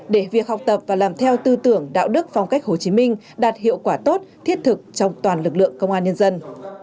để việc học tập và làm theo tư tưởng đạo đức phong cách hồ chí minh đạt hiệu quả tốt thiết thực trong toàn lực lượng công an nhân dân